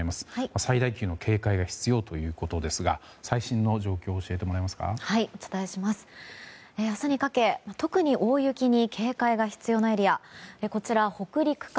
最大級の警戒が必要ということですが最新の状況を教えてもらえますか。